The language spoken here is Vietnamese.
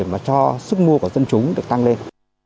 mà cho sức mua của dân chúng được tăng lên